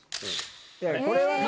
いやいやこれはね。